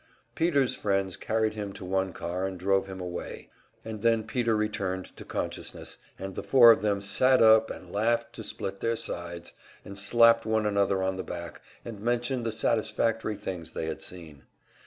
Peter's friends carried him to one car and drove him away, and then Peter returned to consciousness, and the four of them sat up and laughed to split their sides, and slapped one another on the back, and mentioned the satisfactory things they had seen.